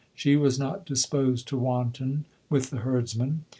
She was not disposed to wanton with the herdsman.